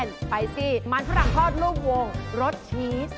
เป๊กจะเฉลยที่มันพรั่งทอดลูกวงรสชีส